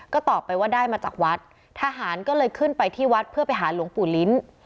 ก็ตอบไปว่าได้มาจากวัดทหารก็เลยขึ้นไปที่วัดเพื่อไปหาหลวงปู่ลิ้น